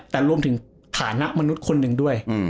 แต่รวมถึงฐานะมนุษย์คนหนึ่งด้วย